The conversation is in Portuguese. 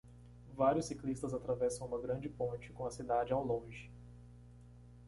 Vários ciclistas atravessam uma grande ponte com a cidade ao longe.